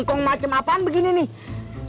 dukung macam apaan begini nih